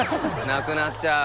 なくなっちゃう。